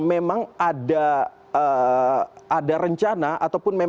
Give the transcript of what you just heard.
kemudian ada ada penutup investor